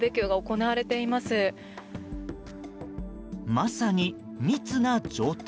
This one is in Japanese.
まさに密な状態。